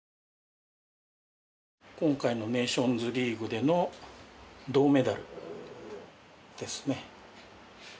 今回のネーションズリーグでの銅メダルですね。